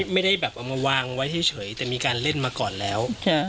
ไม่ได้แบบเอามาวางไว้เฉยแต่มีการเล่นมาก่อนแล้ว